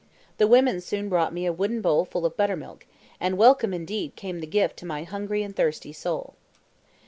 The women soon brought me a wooden bowl full of buttermilk, and welcome indeed came the gift to my hungry and thirsty soul.